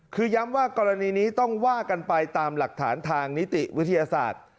คือย้ำว่ากรณีนี้ต้องว่ากันไปตามหลักฐานทางนิติวิทยาศาสตร์